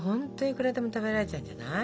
いくらでも食べられちゃうんじゃない？